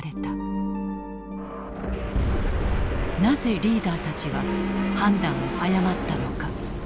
なぜリーダーたちは判断を誤ったのか。